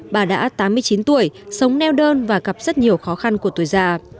bà đã tám mươi chín tuổi sống neo đơn và gặp rất nhiều khó khăn của tuổi già